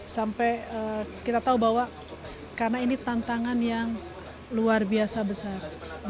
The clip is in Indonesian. sampai kita tahu bahwa karena ini tantangan yang luar biasa besar